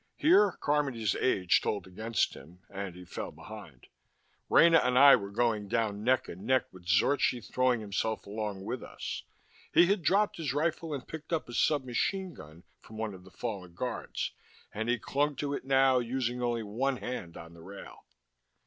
Here Carmody's age told against him, and he fell behind. Rena and I were going down neck and neck with Zorchi throwing himself along with us. He had dropped his rifle and picked up a sub machine gun from one of the fallen guards, and he clung to it now, using only one hand on the rail.